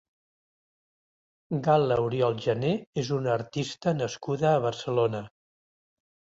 Gal·la Oriol Jané és una artista nascuda a Barcelona.